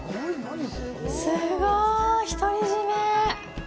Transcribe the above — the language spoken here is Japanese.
すごい！独り占め！